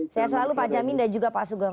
saya selalu pak jamin dan juga pak sugeng